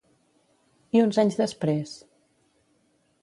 I uns anys després?